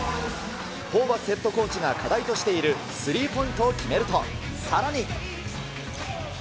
ホーバスヘッドコーチが課題としているスリーポイントを決めると、さらに。